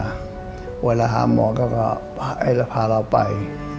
ก็เวลาหาหมอก็ภายแล้วภาพาเราไป